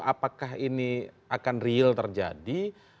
apakah ini akan real terjadi